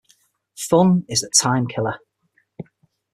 Fun is the time-killer.